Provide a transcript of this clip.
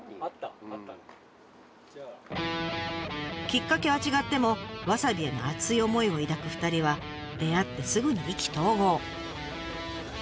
きっかけは違ってもわさびへの熱い思いを抱く２人は出会ってすぐに意気投合。